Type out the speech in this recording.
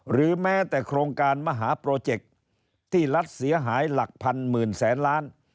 หรือแม้แต่โครงการมหาโปรเจคที่รัฐเสียหายหลักพันหมื่นแสนล้าน